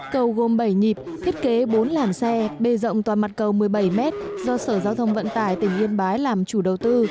cầu gồm bảy nhịp thiết kế bốn làn xe bề rộng toàn mặt cầu một mươi bảy m do sở giao thông vận tải tỉnh yên bái làm chủ đầu tư